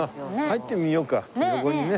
入ってみようか横にね。